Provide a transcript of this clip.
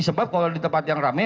sebab kalau di tempat yang rame